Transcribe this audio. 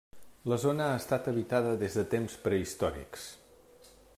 La zona ha estat habitada des de temps prehistòrics.